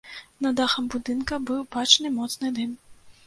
На дахам будынка быў бачны моцны дым.